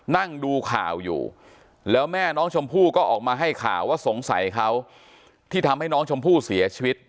นั่งดูข่าวอยู่แล้วแม่น้องชมพู่ก็ออกมาให้ข่าวว่าสงสัยเขาที่ทำให้น้องชมพู่เสียชีวิต